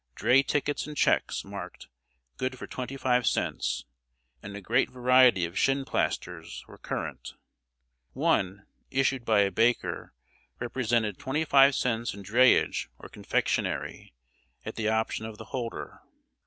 Dray tickets and checks, marked "Good for twenty five cents," and a great variety of shinplasters, were current. One, issued by a baker, represented "twenty five cents in drayage or confectionary," at the option of the holder.